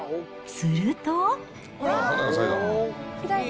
すると。